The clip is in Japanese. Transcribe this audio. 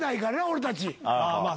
俺たち。